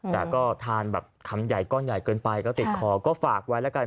แต่ก็ทานแบบคำใหญ่ก้อนใหญ่เกินไปก็ติดคอก็ฝากไว้แล้วกัน